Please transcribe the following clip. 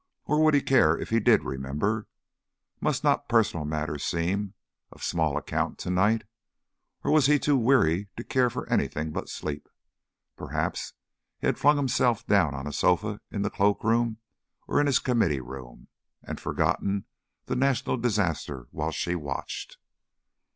Or would he care if he did remember? Must not personal matters seem of small account to night? Or was he too weary to care for anything but sleep? Perhaps he had flung himself down on a sofa in the cloak room, or in his Committee Room, and forgotten the national disaster while she watched.